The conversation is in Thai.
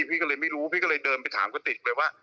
พี่ก็เลยไม่รู้พี่ก็เลยเดินไปถามกระติกเลยว่า